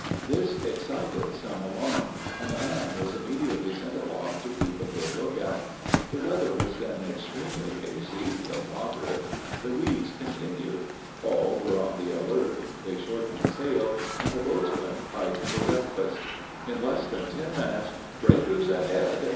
This excited some alarm, and a man was immediately sent aloft to keep a good look out. The weather was then extremely hazy, though moderate; the weeds continued; all were on the alert; they shortened sail, and the boatswain piped for breakfast. In less than ten minutes, "breakers ahead!"